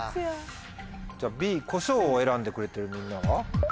Ｂコショウを選んでくれてるみんなは？